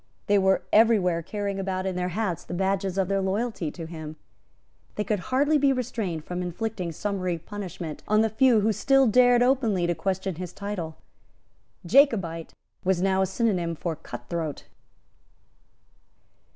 They were every where carrying about in their hats the badges of their loyalty to him. They could hardly be restrained from inflicting summary punishment on the few who still dared openly to question his title. Jacobite was now a synonyme for cutthroat.